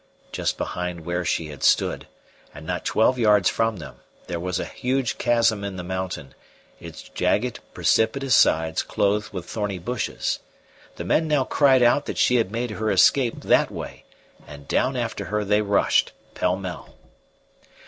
Just behind where she had stood, and not twelve yards from them, there was a huge chasm in the mountain, its jagged precipitous sides clothed with thorny bushes; the men now cried out that she had made her escape that way, and down after her they rushed, pell mell.